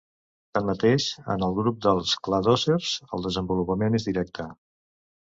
Tanmateix en el grup dels cladòcers el desenvolupament és directe.